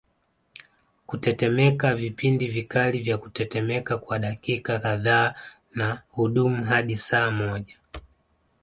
Kutetemeka vipindi vikali vya kutetemeka kwa dakika kadhaa na hudumu hadi saa moja